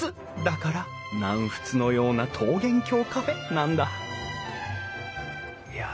だから「南仏のような桃源郷カフェ」なんだいや